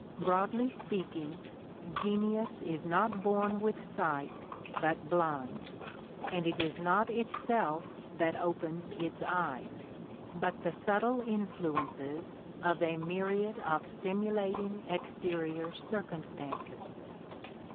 Broadly speaking, genius is not born with sight but blind; and it is not itself that opens its eyes, but the subtle influ ences of a myriad of stimulating exterior circum stances."